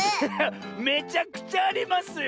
めちゃくちゃありますよ！